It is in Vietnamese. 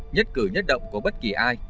nhất cử nhất động của bất kỳ ai